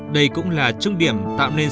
đây cũng là trung điểm tạo ra một đường thẳng